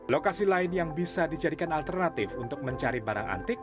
lokasi lain yang bisa dijadikan alternatif untuk mencari barang antik